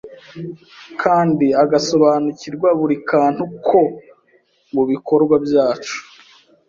kandi agasobanukirwa buri kantu ko mu bikorwa byacu